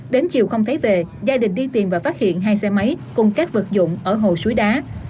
đến chiều không thấy về gia đình đi tìm và phát hiện hai xe máy cùng các vật dụng ở hồ suối đá